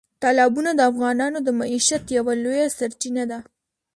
تالابونه د افغانانو د معیشت یوه لویه سرچینه ده.